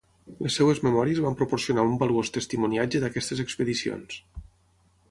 Les seves memòries van proporcionar un valuós testimoniatge d'aquestes expedicions.